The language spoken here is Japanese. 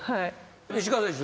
石川選手